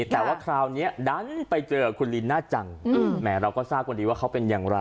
แต่ว่าคราวนี้ดันไปเจอคุณลินน่าจังแหมเราก็ทราบวันนี้ว่าเขาเป็นอย่างไร